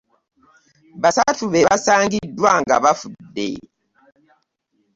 Basatu be baasangiddwa nga bafudde.